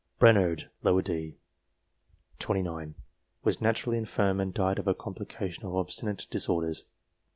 Brainerd, d. set. 29, was naturally infirm, and died of a complication of obstinate disorders.